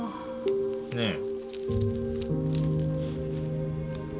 ねえ？